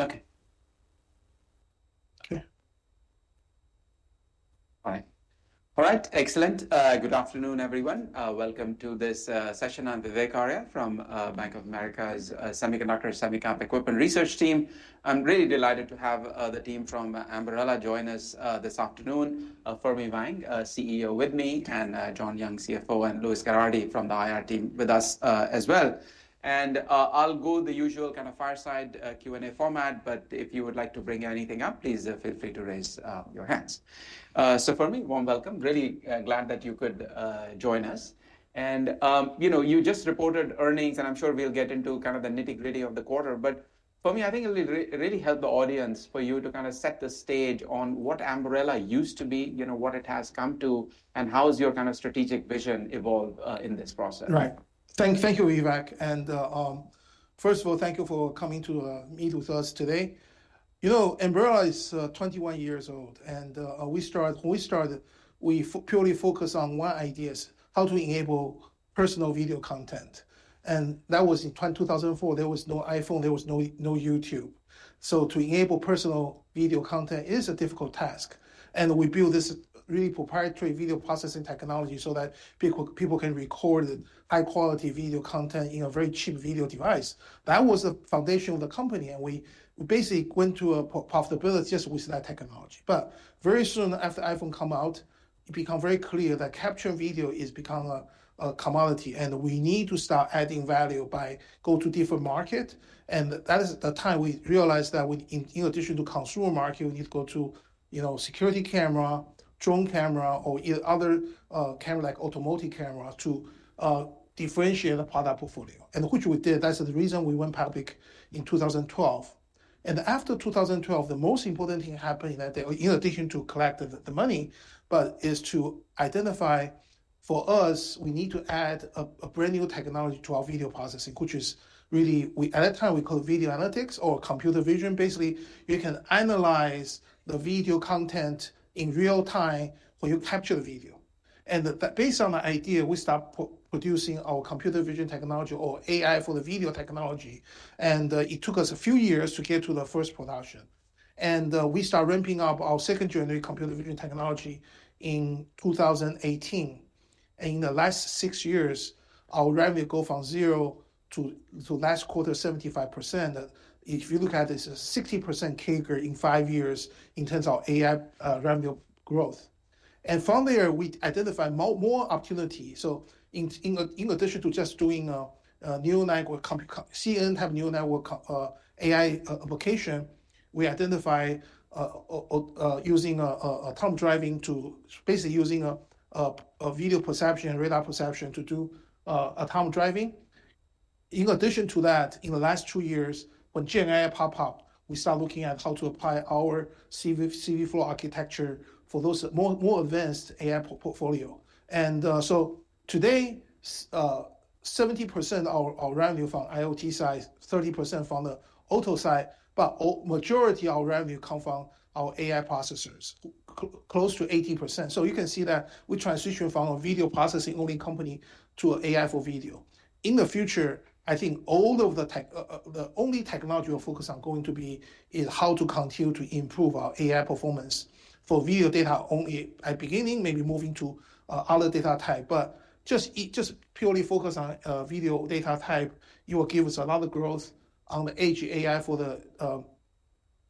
Okay. Okay. All right. All right. Excellent. Good afternoon, everyone. Welcome to this session. I'm Vivek Arya from Bank of America's Semiconductor Equipment Research Team. I'm really delighted to have the team from Ambarella join us this afternoon: Fermi Wang, CEO, with me, and John Young, CFO, and Louis Gerhardy from the IR team with us as well. I'll go the usual kind of fireside Q&A format, but if you would like to bring anything up, please feel free to raise your hands. Fermi, warm welcome. Really glad that you could join us. You know, you just reported earnings, and I'm sure we'll get into kind of the nitty-gritty of the quarter. Fermi, I think it'll really help the audience for you to kind of set the stage on what Ambarella used to be, you know, what it has come to, and how has your kind of strategic vision evolved in this process. Right. Thank you, Vivek. First of all, thank you for coming to meet with us today. You know, Ambarella is 21 years old, and we started—we purely focused on one idea: how to enable personal video content. That was in 2004. There was no iPhone. There was no YouTube. To enable personal video content is a difficult task. We built this really proprietary video processing technology so that people can record high-quality video content in a very cheap video device. That was the foundation of the company. We basically went to profitability just with that technology. Very soon after the iPhone came out, it became very clear that capture video has become a commodity, and we need to start adding value by going to different markets. That is the time we realized that in addition to the consumer market, we need to go to, you know, security camera, drone camera, or other cameras like automotive cameras to differentiate the product portfolio. Which we did. That's the reason we went public in 2012. After 2012, the most important thing happened in that day, in addition to collecting the money, is to identify for us, we need to add a brand new technology to our video processing, which is really, at that time, we called it video analytics or computer vision. Basically, you can analyze the video content in real time when you capture the video. Based on that idea, we started producing our computer vision technology or AI for the video technology. It took us a few years to get to the first production. We started ramping up our second generation computer vision technology in 2018. In the last six years, our revenue goes from zero to last quarter, 75%. If you look at this, it is a 60% CAGR in five years in terms of AI revenue growth. From there, we identified more opportunities. In addition to just doing a new network, CNN has a new network AI application. We identified using autonomous driving to basically use video perception and radar perception to do autonomous driving. In addition to that, in the last two years, when Gen AI popped up, we started looking at how to apply our CV4 architecture for those more advanced AI portfolios. Today, 70% of our revenue is from IoT side, 30% from the auto side, but the majority of our revenue comes from our AI processors, close to 80%. You can see that we transitioned from a video processing-only company to AI for video. In the future, I think all of the only technology we're focused on going to be is how to continue to improve our AI performance for video data only at the beginning, maybe moving to other data types. Just purely focusing on video data type, it will give us a lot of growth on the edge AI for the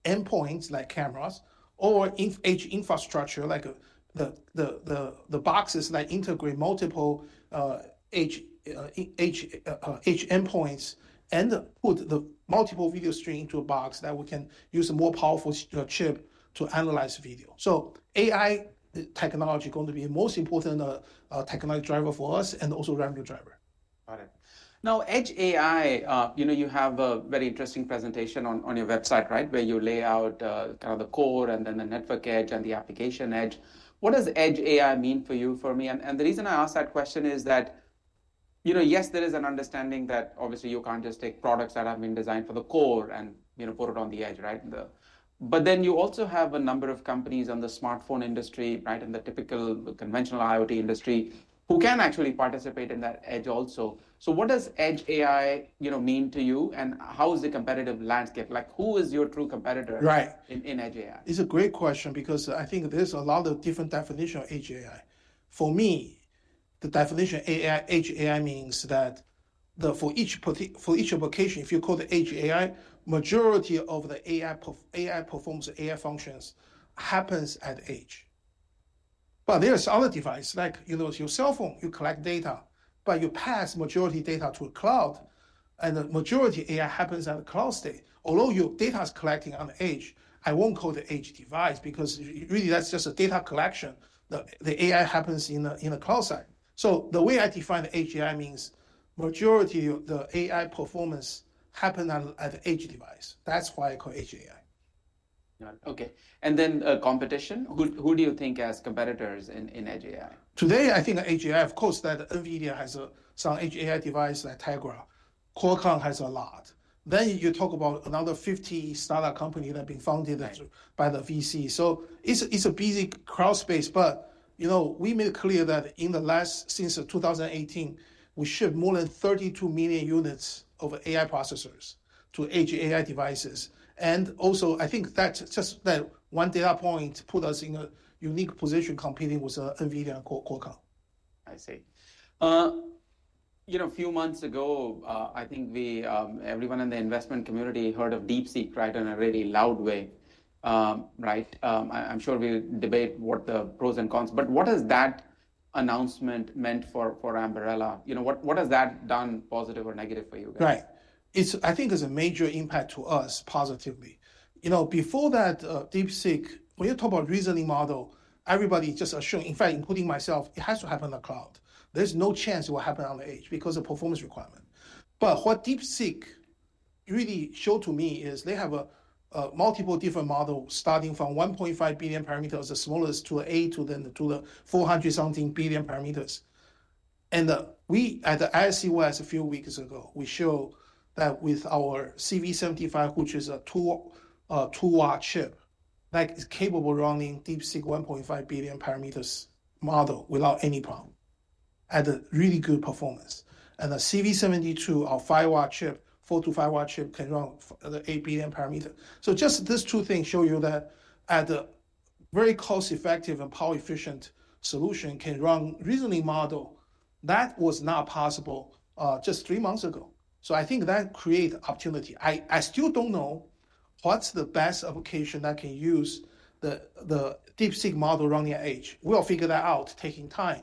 endpoints like cameras or edge infrastructure like the boxes that integrate multiple edge endpoints and put the multiple video streams into a box that we can use a more powerful chip to analyze video. AI technology is going to be the most important technology driver for us and also revenue driver. Got it. Now, edge AI, you know, you have a very interesting presentation on your website, right, where you lay out kind of the core and then the network edge and the application edge. What does edge AI mean for you, Fermi? The reason I ask that question is that, you know, yes, there is an understanding that obviously you can't just take products that have been designed for the core and, you know, put it on the edge, right? You also have a number of companies in the smartphone industry, right, in the typical conventional IoT industry who can actually participate in that edge also. What does edge AI, you know, mean to you? How is the competitive landscape? Like, who is your true competitor in edge AI? It's a great question because I think there's a lot of different definitions of edge AI. For me, the definition of edge AI means that for each application, if you call it edge AI, the majority of the AI performance, AI functions happen at edge. But there are other devices, like, you know, your cell phone, you collect data, but you pass majority data to the cloud, and the majority of AI happens at the cloud state. Although your data is collected on edge, I won't call it an edge device because really that's just a data collection. The AI happens in the cloud side. The way I define edge AI means the majority of the AI performance happens at the edge device. That's why I call it edge AI. Got it. Okay. And then competition? Who do you think as competitors in edge AI? Today, I think edge AI, of course, that NVIDIA has some edge AI devices like Tegra. Qualcomm has a lot. You talk about another 50 startup companies that have been founded by the VC. It is a busy crowd space. You know, we made it clear that in the last, since 2018, we shipped more than 32 million units of AI processors to edge AI devices. Also, I think that just that one data point put us in a unique position competing with NVIDIA and Qualcomm. I see. You know, a few months ago, I think everyone in the investment community heard of DeepSeek, right, in a really loud way, right? I'm sure we'll debate what the pros and cons, but what has that announcement meant for Ambarella? You know, what has that done positive or negative for you guys? Right. I think it has a major impact to us positively. You know, before that, DeepSeek, when you talk about reasoning model, everybody just assumed, in fact, including myself, it has to happen in the cloud. There's no chance it will happen on the edge because of performance requirement. What DeepSeek really showed to me is they have multiple different models starting from 1.5 billion parameters, the smallest, to then to the 400-something billion parameters. We, at the ISCOS a few weeks ago, we showed that with our CV75, which is a two-watt chip, that is capable of running DeepSeek 1.5 billion parameters model without any problem, at a really good performance. The CV72, our four to five-watt chip, can run the eight billion parameters. Just these two things show you that a very cost-effective and power-efficient solution can run reasoning models that were not possible just three months ago. I think that creates opportunity. I still do not know what is the best application that can use the DeepSeek model running at edge. We will figure that out, taking time.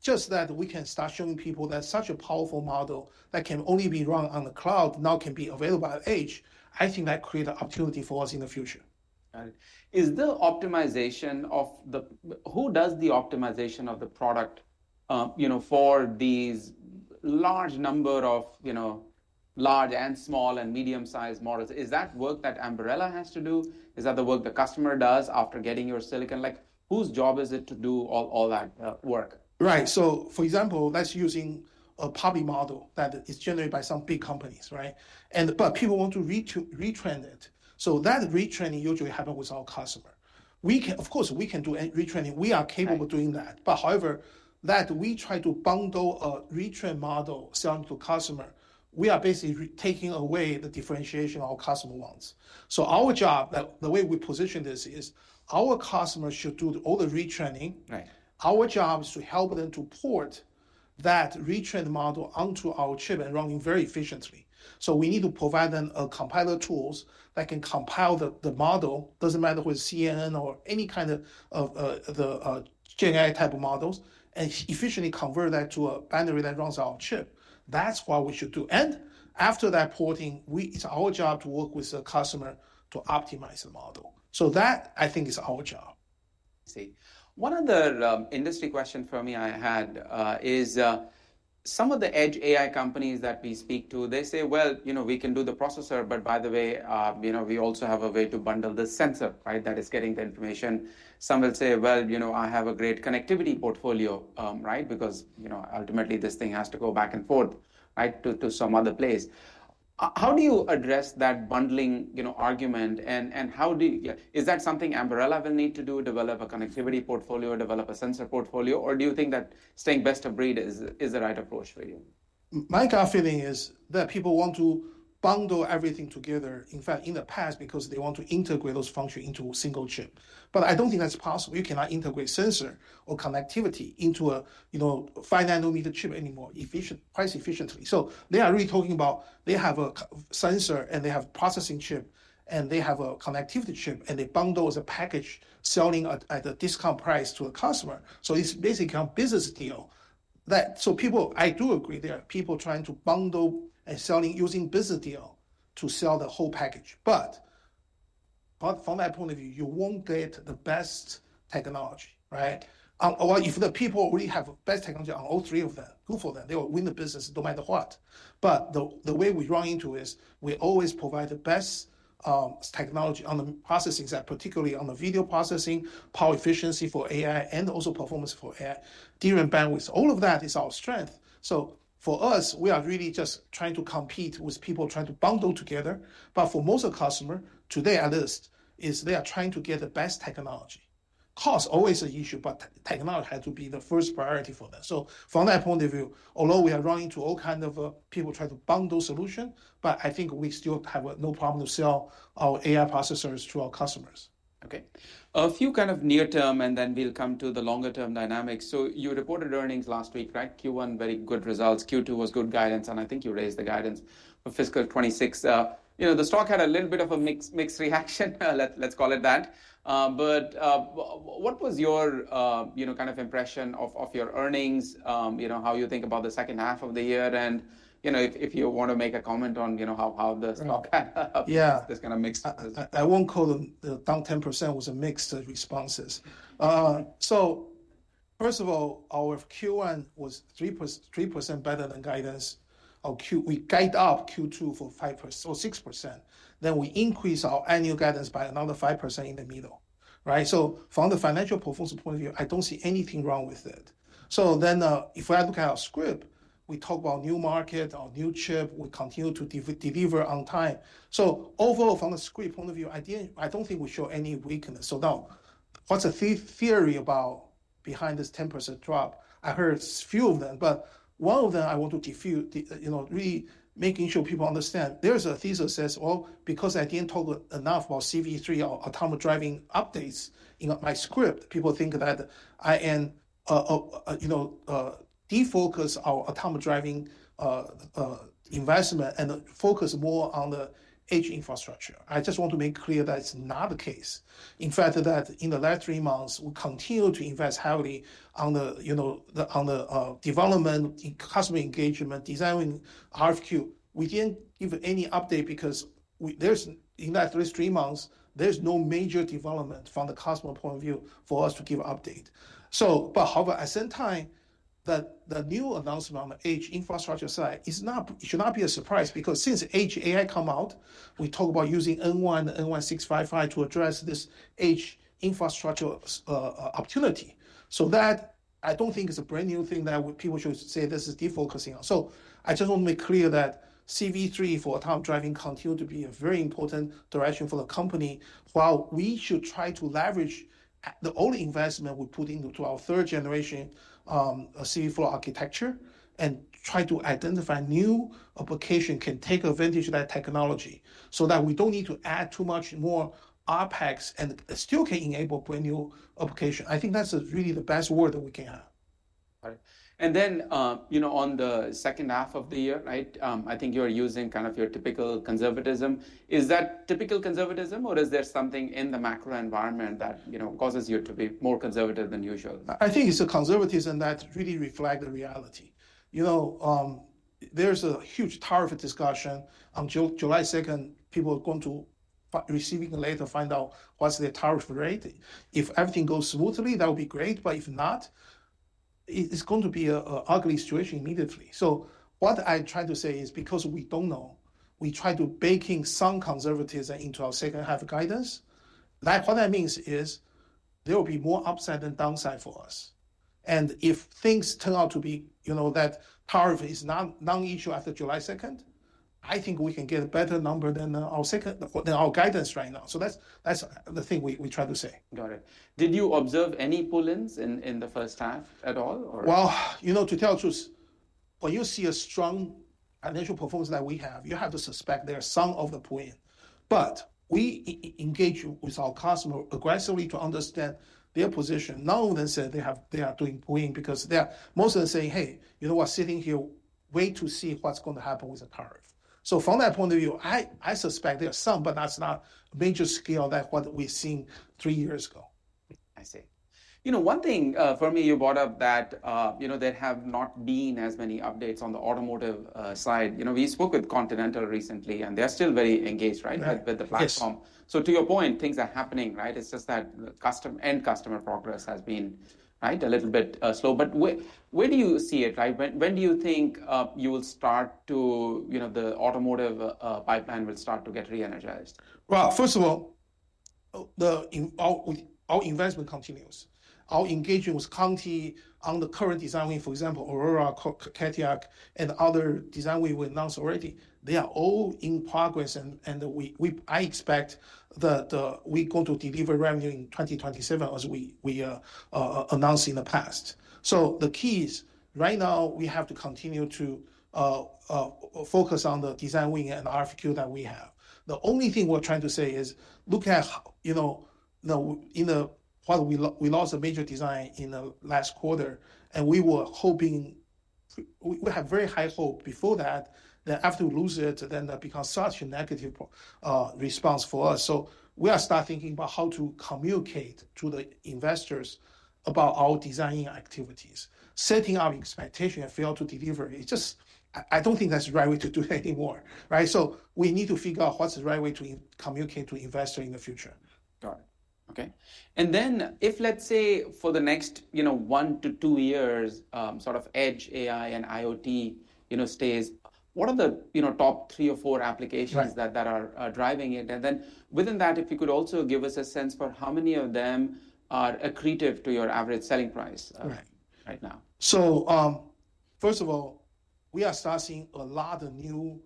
Just that we can start showing people that such a powerful model that can only be run on the cloud now can be available at edge, I think that creates opportunity for us in the future. Got it. Is the optimization of the—who does the optimization of the product, you know, for these large number of, you know, large and small and medium-sized models? Is that work that Ambarella has to do? Is that the work the customer does after getting your silicon? Like, whose job is it to do all that work? Right. For example, that's using a public model that is generated by some big companies, right? People want to retrain it. That retraining usually happens with our customer. We can, of course, we can do retraining. We are capable of doing that. However, if we try to bundle a retrained model selling to a customer, we are basically taking away the differentiation our customer wants. Our job, the way we position this, is our customer should do all the retraining. Right. Our job is to help them to port that retrained model onto our chip and run it very efficiently. We need to provide them compiler tools that can compile the model. It does not matter if it's CNN or any kind of the Gen AI type of models, and efficiently convert that to a binary that runs our chip. That's what we should do. After that porting, it's our job to work with the customer to optimize the model. That, I think, is our job. I see. One other industry question, Fermi, I had is some of the edge AI companies that we speak to, they say, you know, we can do the processor, but by the way, you know, we also have a way to bundle the sensor, right, that is getting the information. Some will say, you know, I have a great connectivity portfolio, right, because, you know, ultimately, this thing has to go back and forth, right, to some other place. How do you address that bundling, you know, argument? And how do you—is that something Ambarella will need to do, develop a connectivity portfolio, develop a sensor portfolio? Or do you think that staying best of breed is the right approach for you? My gut feeling is that people want to bundle everything together, in fact, in the past, because they want to integrate those functions into a single chip. I do not think that is possible. You cannot integrate sensor or connectivity into a, you know, five-nanometer chip anymore price-efficiently. They are really talking about they have a sensor, and they have a processing chip, and they have a connectivity chip, and they bundle as a package selling at a discount price to a customer. It is basically a business deal. People, I do agree there are people trying to bundle and selling using business deal to sell the whole package. From that point of view, you will not get the best technology, right? Or if the people already have the best technology on all three of them, good for them, they will win the business no matter what. The way we run into is we always provide the best technology on the processing side, particularly on the video processing, power efficiency for AI, and also performance for AI, different bandwidths. All of that is our strength. For us, we are really just trying to compete with people trying to bundle together. For most of the customers today, at least, they are trying to get the best technology. Cost is always an issue, but technology has to be the first priority for them. From that point of view, although we are running into all kinds of people trying to bundle solutions, I think we still have no problem to sell our AI processors to our customers. Okay. A few kind of near-term, and then we'll come to the longer-term dynamics. You reported earnings last week, right? Q1, very good results. Q2 was good guidance. I think you raised the guidance for fiscal 2026. You know, the stock had a little bit of a mixed reaction, let's call it that. What was your, you know, kind of impression of your earnings, you know, how you think about the second half of the year? If you want to make a comment on, you know, how the stock had this kind of mixed... I won't call them the top 10% was a mixed responses. First of all, our Q1 was 3% better than guidance. We guided up Q2 for 5% or 6%. Then we increased our annual guidance by another 5% in the middle, right? From the financial performance point of view, I don't see anything wrong with it. If I look at our script, we talk about new market, our new chip, we continue to deliver on time. Overall, from the script point of view, I don't think we show any weakness. Now, what's the theory behind this 10% drop? I heard a few of them, but one of them I want to defute, you know, really making sure people understand. There's a thesis that says, well, because I didn't talk enough about CV3 or autonomous driving updates in my script, people think that I am, you know, defocus our autonomous driving investment and focus more on the edge infrastructure. I just want to make clear that it's not the case. In fact, that in the last three months, we continue to invest heavily on the, you know, on the development, customer engagement, designing RFQ. We didn't give any update because in the last three months, there's no major development from the customer point of view for us to give an update. However, at the same time, the new announcement on the edge infrastructure side should not be a surprise because since edge AI came out, we talk about using N1 and N1-655 to address this edge infrastructure opportunity. I do not think it is a brand new thing that people should say this is defocusing on. I just want to make clear that CV3 for autonomous driving continues to be a very important direction for the company, while we should try to leverage the only investment we put into our third generation CV3 architecture and try to identify new applications that can take advantage of that technology so that we do not need to add too much more OpEx and still can enable brand new applications. I think that is really the best word that we can have. Got it. You know, on the second half of the year, right, I think you're using kind of your typical conservatism. Is that typical conservatism, or is there something in the macro environment that, you know, causes you to be more conservative than usual? I think it's a conservatism that really reflects the reality. You know, there's a huge tariff discussion. On July 2nd, people are going to, receiving the later, find out what's their tariff rate. If everything goes smoothly, that would be great. If not, it's going to be an ugly situation immediately. What I try to say is because we don't know, we try to bake in some conservatism into our second half guidance. What that means is there will be more upside than downside for us. If things turn out to be, you know, that tariff is not an issue after July 2nd, I think we can get a better number than our second, than our guidance right now. That's the thing we try to say. Got it. Did you observe any pull-ins in the first half at all? You know, to tell the truth, when you see a strong financial performance that we have, you have to suspect there are some other pull-ins. We engage with our customer aggressively to understand their position. None of them say they are doing pull-ins because most of them are saying, "Hey, you know what, sitting here, wait to see what's going to happen with the tariff." From that point of view, I suspect there are some, but that's not a major scale like what we've seen three years ago. I see. You know, one thing Fermi, you brought up that, you know, there have not been as many updates on the automotive side. You know, we spoke with Continental recently, and they're still very engaged, right, with the platform. To your point, things are happening, right? It's just that end customer progress has been, right, a little bit slow. Where do you see it, right? When do you think you will start to, you know, the automotive pipeline will start to get re-energized? First of all, our investment continues. Our engagement with Continental on the current design win, for example, Aurora, Cadillac, and other design wins we announced already, they are all in progress. I expect that we're going to deliver revenue in 2027, as we announced in the past. The key is right now we have to continue to focus on the design win and RFQ that we have. The only thing we're trying to say is look at, you know, in the past we lost a major design in the last quarter, and we were hoping, we had very high hope before that. After we lose it, that becomes such a negative response for us. We are starting to think about how to communicate to the investors about our design activities, setting our expectation and fail to deliver. It's just I don't think that's the right way to do it anymore, right? We need to figure out what's the right way to communicate to investors in the future. Got it. Okay. If, let's say, for the next, you know, one to two years, sort of edge AI and IoT, you know, stays, what are the, you know, top three or four applications that are driving it? Within that, if you could also give us a sense for how many of them are accretive to your average selling price right now. First of all, we are starting a lot of new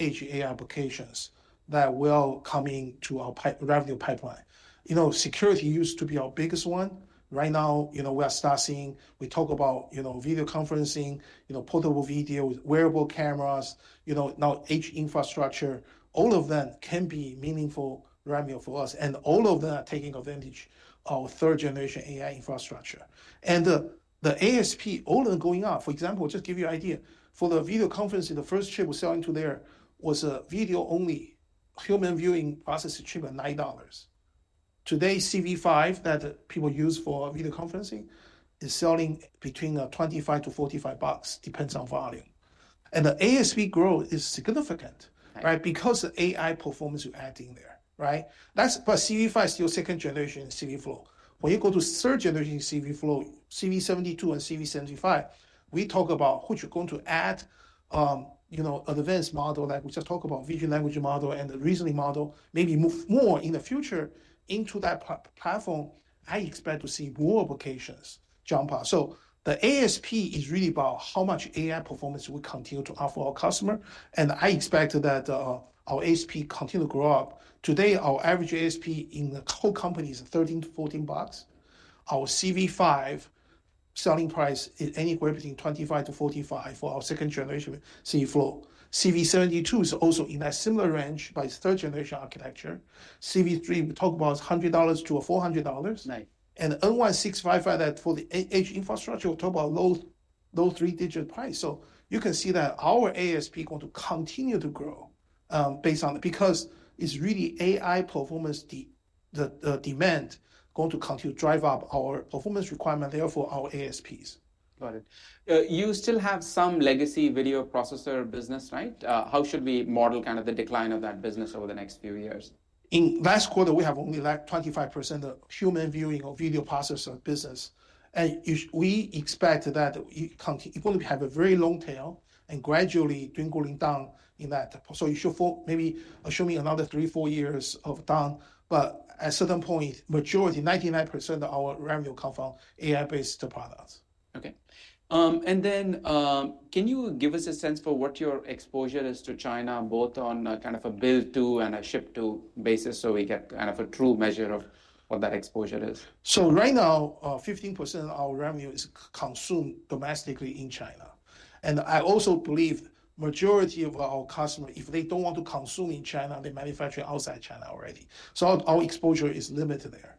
edge AI applications that will come into our revenue pipeline. You know, security used to be our biggest one. Right now, you know, we are starting, we talk about, you know, video conferencing, you know, portable video, wearable cameras, you know, now edge infrastructure. All of them can be meaningful revenue for us. All of them are taking advantage of our third-generation AI infrastructure. The ASP, all of them going up. For example, just to give you an idea, for the video conferencing, the first chip we are selling to there was a video only, human viewing processing chip at $9. Today, CV5 that people use for video conferencing is selling between $25-$45, depends on volume. The ASP growth is significant, right, because the AI performance you are adding there, right? CV5 is still second generation CVflow. When you go to third-generation CVflow, CV72 and CV75, we talk about which we're going to add, you know, advanced model that we just talked about, vision language model and the reasoning model, maybe move more in the future into that platform. I expect to see more applications jump up. The ASP is really about how much AI performance we continue to offer our customer. I expect that our ASP continue to grow up. Today, our average ASP in the whole company is $13-$14. Our CV5 selling price is anywhere between $25-$45 for our second-generation CVflow. CV72 is also in that similar range by third-generation architecture. CV3, we talk about $100-$400. N1 655 that for the edge infrastructure, we talk about low three-digit price. You can see that our ASP is going to continue to grow based on it because it's really AI performance demand going to continue to drive up our performance requirement, therefore our ASPs. Got it. You still have some legacy video processor business, right? How should we model kind of the decline of that business over the next few years? In last quarter, we have only like 25% of human viewing or video processor business. We expect that it's going to have a very long tail and gradually dwindling down in that. You should maybe assume another three, four years of down. At a certain point, majority, 99% of our revenue comes from AI-based products. Okay. Can you give us a sense for what your exposure is to China, both on kind of a build-to and a ship-to basis, so we get kind of a true measure of what that exposure is? Right now, 15% of our revenue is consumed domestically in China. I also believe the majority of our customers, if they do not want to consume in China, they manufacture outside China already. Our exposure is limited there.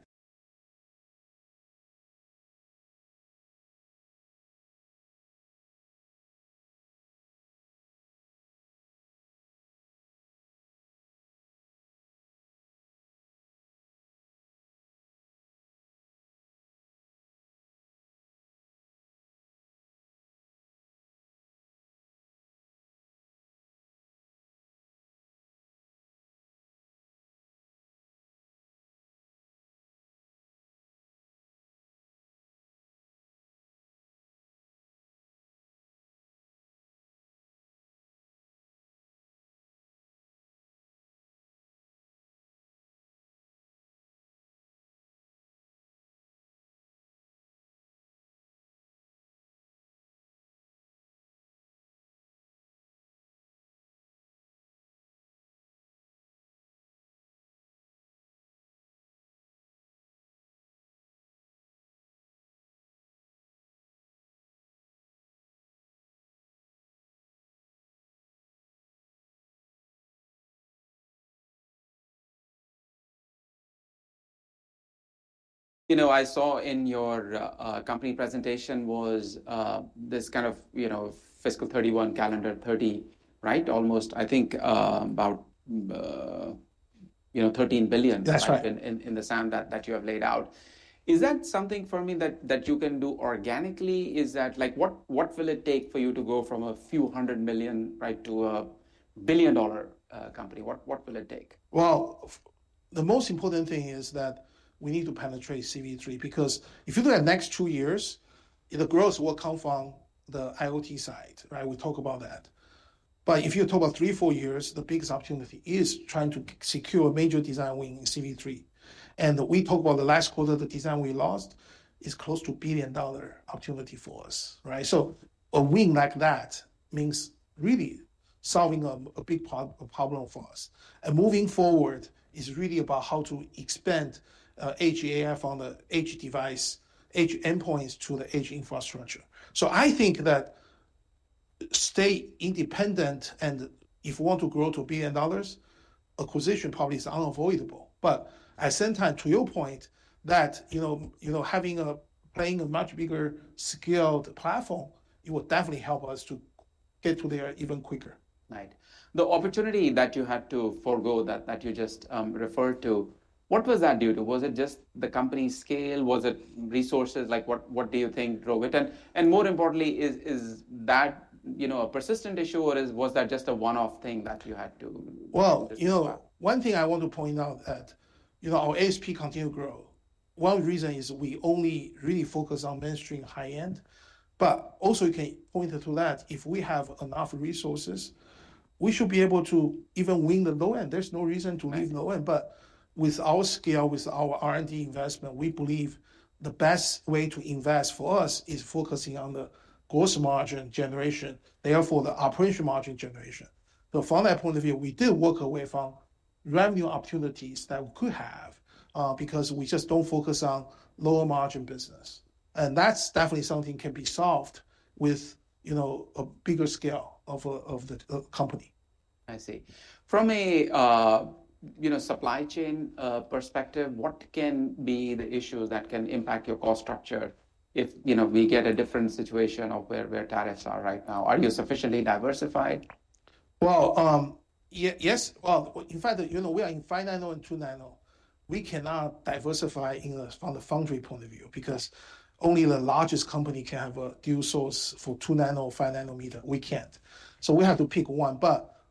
You know, I saw in your company presentation was this kind of, you know, fiscal 2031 calendar 2030, right? Almost, I think, about, you know, $13 billion in the sum that you have laid out. Is that something, Fermi, that you can do organically? Is that like what will it take for you to go from a few hundred million, right, to a billion-dollar company? What will it take? The most important thing is that we need to penetrate CV3 because if you look at the next two years, the growth will come from the IoT side, right? We talk about that. If you talk about three, four years, the biggest opportunity is trying to secure a major design win in CV3. We talk about the last quarter, the design we lost is close to a billion-dollar opportunity for us, right? A win like that means really solving a big problem for us. Moving forward is really about how to expand edge AI on the edge device, edge endpoints to the edge infrastructure. I think that staying independent and if we want to grow to a billion dollars, acquisition probably is unavoidable. At the same time, to your point, you know, having a, playing a much bigger scaled platform, it will definitely help us to get to there even quicker. Right. The opportunity that you had to forgo that you just referred to, what was that due to? Was it just the company scale? Was it resources? Like what do you think drove it? And more importantly, is that, you know, a persistent issue or was that just a one-off thing that you had to? You know, one thing I want to point out is that, you know, our ASP continues to grow. One reason is we only really focus on mainstream high-end. You can also point to the fact that if we have enough resources, we should be able to even win the low-end. There is no reason to leave low-end. With our scale, with our R&D investment, we believe the best way to invest for us is focusing on the gross margin generation, therefore the operation margin generation. From that point of view, we did walk away from revenue opportunities that we could have because we just do not focus on lower margin business. That is definitely something that can be solved with, you know, a bigger scale of the company. I see. From a, you know, supply chain perspective, what can be the issues that can impact your cost structure if, you know, we get a different situation of where tariffs are right now? Are you sufficiently diversified? Yes. In fact, you know, we are in five nano and two nano. We cannot diversify from the foundry point of view because only the largest company can have a deal source for two nano or five nanometer. We cannot. We have to pick one.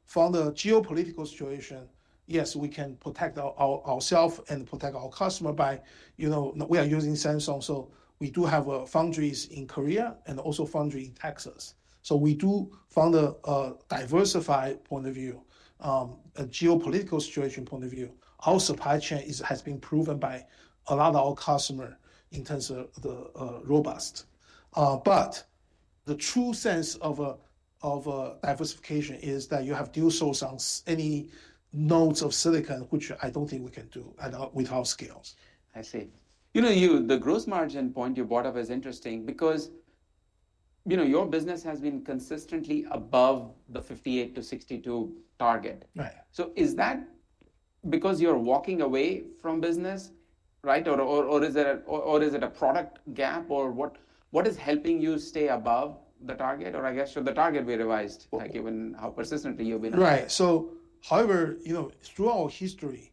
From the geopolitical situation, yes, we can protect ourselves and protect our customer by, you know, we are using Samsung. We do have foundries in Korea and also foundry in Texas. We do, from the diversified point of view, a geopolitical situation point of view, our supply chain has been proven by a lot of our customers in terms of the robust. The true sense of diversification is that you have deal source on any nodes of silicon, which I do not think we can do without scales. I see. You know, the gross margin point you brought up is interesting because, you know, your business has been consistently above the 58%-62% target. Is that because you're walking away from business, right? Or is it a product gap or what is helping you stay above the target? Or I guess should the target be revised? Like even how persistently you've been? Right. However, you know, throughout our history,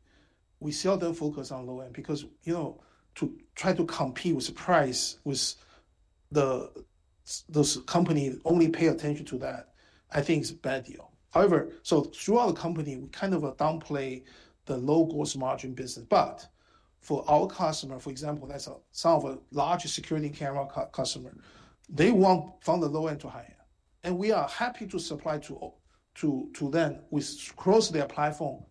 we seldom focus on low-end because, you know, to try to compete with the price with those companies only pay attention to that, I think it's a bad deal. However, throughout the company, we kind of downplay the low gross margin business. For our customer, for example, some of the larger security camera customers, they want from the low-end to high-end. We are happy to supply to them across their platform.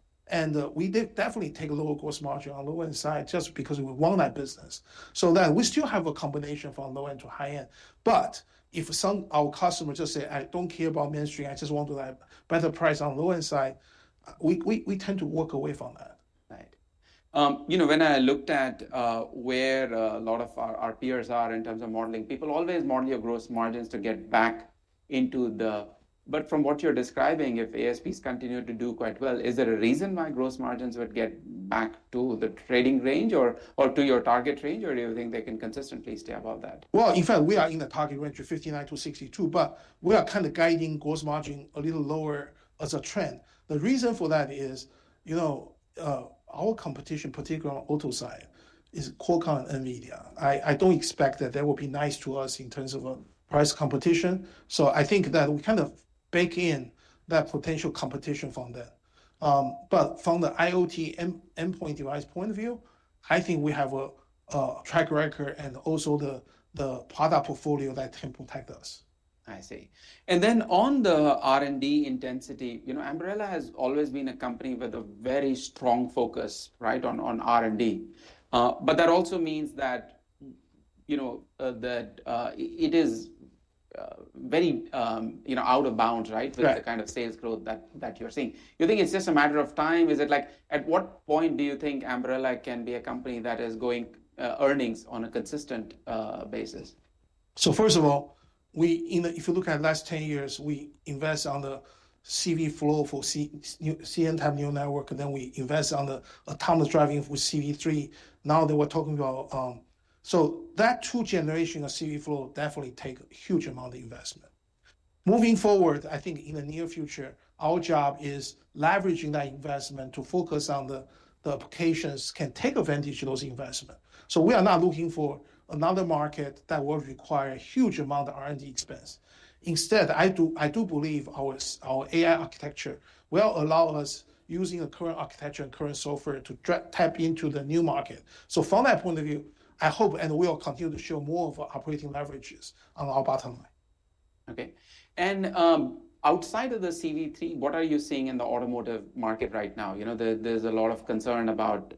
We definitely take a lower gross margin on the low-end side just because we want that business. We still have a combination from low-end to high-end. If some of our customers just say, "I do not care about mainstream. I just want to have better price on the low-end side," we tend to walk away from that. Right. You know, when I looked at where a lot of our peers are in terms of modeling, people always model your gross margins to get back into the. But from what you're describing, if ASPs continue to do quite well, is there a reason why gross margins would get back to the trading range or to your target range? Or do you think they can consistently stay above that? In fact, we are in the target range of 59-62, but we are kind of guiding gross margin a little lower as a trend. The reason for that is, you know, our competition, particularly on the auto side, is Qualcomm and NVIDIA. I do not expect that that will be nice to us in terms of price competition. I think that we kind of bake in that potential competition from them. From the IoT endpoint device point of view, I think we have a track record and also the product portfolio that can protect us. I see. On the R&D intensity, you know, Ambarella has always been a company with a very strong focus, right, on R&D. That also means that, you know, it is very, you know, out of bounds, right, with the kind of sales growth that you're seeing. Do you think it's just a matter of time? Is it like at what point do you think Ambarella can be a company that is going earnings on a consistent basis? First of all, if you look at the last 10 years, we invest on the CVflow for CNN type neural network, and then we invest on the autonomous driving for CV3. Now that we're talking about, that two generation of CVflow definitely takes a huge amount of investment. Moving forward, I think in the near future, our job is leveraging that investment to focus on the applications that can take advantage of those investments. We are not looking for another market that will require a huge amount of R&D expense. Instead, I do believe our AI architecture will allow us using the current architecture and current software to tap into the new market. From that point of view, I hope and we'll continue to show more of our operating leverages on our bottom line. Okay. Outside of the CV3, what are you seeing in the automotive market right now? You know, there's a lot of concern about,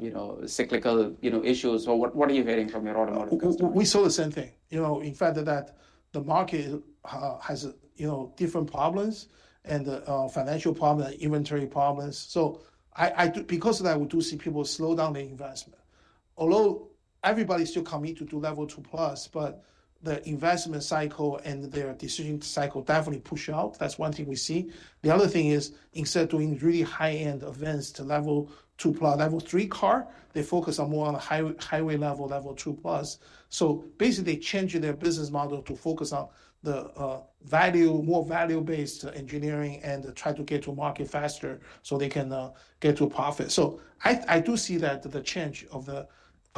you know, cyclical, you know, issues. What are you hearing from your automotive market? We saw the same thing. You know, in fact, that the market has, you know, different problems and financial problems and inventory problems. Because of that, we do see people slow down their investment. Although everybody's still committed to level two plus, the investment cycle and their decision cycle definitely push out. That's one thing we see. The other thing is instead of doing really high-end events to level two plus, level three car, they focus more on the highway level, level two plus. Basically, they changed their business model to focus on the value, more value-based engineering and try to get to market faster so they can get to profit. I do see that the change of the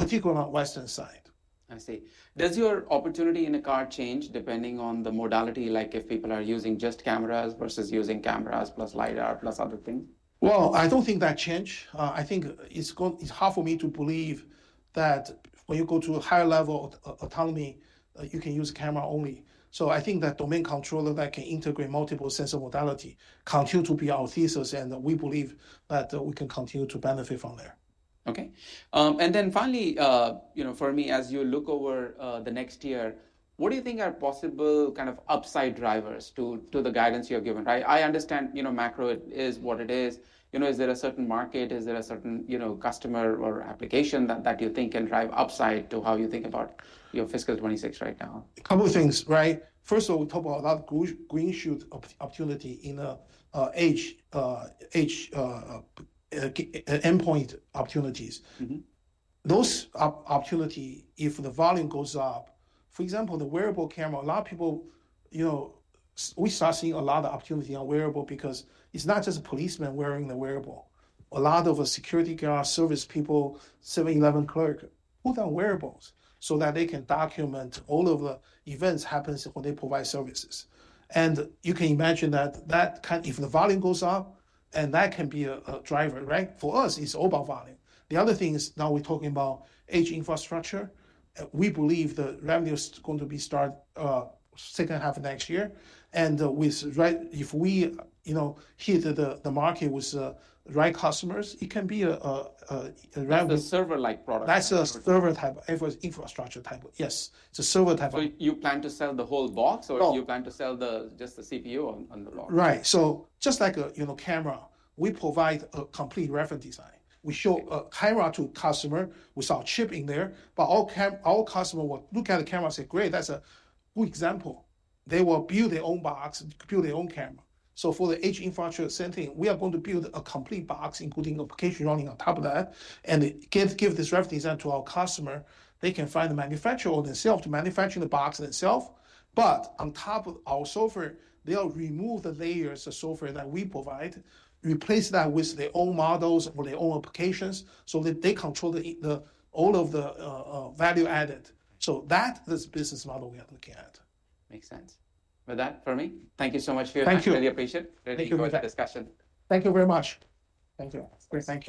particular Western side. I see. Does your opportunity in the car change depending on the modality? Like if people are using just cameras versus using cameras plus LiDAR plus other things? I do not think that changed. I think it is hard for me to believe that when you go to a higher level of autonomy, you can use camera only. I think that domain controller that can integrate multiple sensor modality continues to be our thesis, and we believe that we can continue to benefit from there. Okay. And then finally, you know, Fermi, as you look over the next year, what do you think are possible kind of upside drivers to the guidance you have given, right? I understand, you know, macro is what it is. You know, is there a certain market? Is there a certain, you know, customer or application that you think can drive upside to how you think about your fiscal 2026 right now? A couple of things, right? First of all, we talk about a lot of green shoot opportunity in the edge endpoint opportunities. Those opportunities, if the volume goes up, for example, the wearable camera, a lot of people, you know, we start seeing a lot of opportunity on wearable because it's not just a policeman wearing the wearable. A lot of the security guards, service people, seven- 11 clerk, put on wearables so that they can document all of the events that happen when they provide services. You can imagine that that kind of, if the volume goes up, and that can be a driver, right? For us, it's all about volume. The other thing is now we're talking about edge infrastructure. We believe the revenue is going to be starting second half of next year. If we, you know, hit the market with the right customers, it can be a revenue. The server-like product. That's a server-type infrastructure type. Yes. It's a server-type. Do you plan to sell the whole box or do you plan to sell just the CPU on the box? Right. So just like a, you know, camera, we provide a complete reference design. We show a camera to a customer with our chip in there. Our customer will look at the camera and say, "Great, that's a good example." They will build their own box, build their own camera. For the edge infrastructure, same thing, we are going to build a complete box including application running on top of that and give this reference design to our customer. They can find the manufacturer or themselves to manufacture the box themselves. On top of our software, they'll remove the layers of software that we provide, replace that with their own models for their own applications so that they control all of the value added. That is the business model we are looking at. Makes sense. With that, Fermi, thank you so much for your time. Thank you. Really appreciate it. Really enjoyed the discussion. Thank you very much. Thank you.